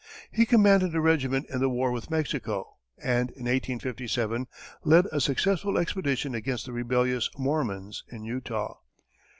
He commanded a regiment in the war with Mexico, and in 1857, led a successful expedition against the rebellious Mormons in Utah.